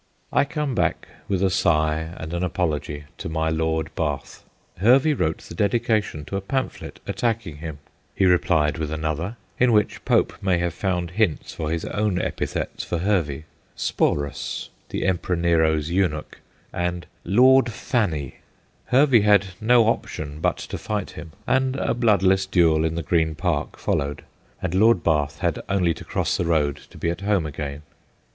I come back with a sigh and an apology to my Lord Bath. Hervey wrote the dedi cation to a pamphlet attacking him ; he replied with another, in which Pope may have found hints for his own epithets for Hervey ' Sporus,' the Emperor Nero's eunuch, and ' Lord Fanny '; Hervey had no option but to fight him, and a bloodless duel in the Green Park followed, and Lord Bath had only to cross the road to be at home again.